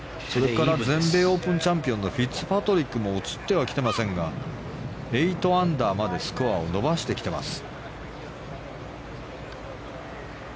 全米オープンチャンピオンのフィッツパトリックも映ってはきてませんが８アンダーまでスコアを伸ばしてきています。